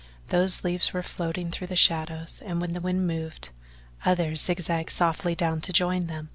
Those leaves were floating through the shadows and when the wind moved, others zig zagged softly down to join them.